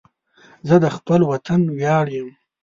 زه د خپل وطن ویاړ یم